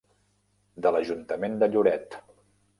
De l'Ajuntament de Lloret.